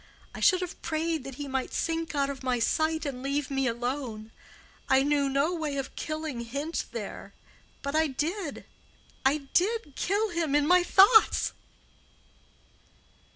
I should have prayed that he might sink out of my sight and leave me alone. I knew no way of killing him there, but I did, I did kill him in my thoughts."